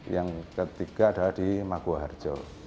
yang ketiga adalah di maguwa harjo